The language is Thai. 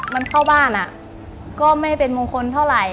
มันเข้าบ้านก็ไม่เป็นมงคลเท่าไหร่